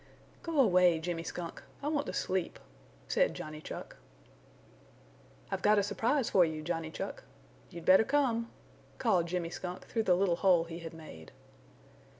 "Go away, Jimmy Skunk. I want to sleep!" said Johnny Chuck. "I've got a surprise for you, Johnny Chuck. You'd better come!" called Jimmy Skunk through the little hole he had made.